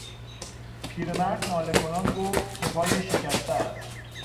پیرمرد ناله کنان گفت که پایش شکسته است.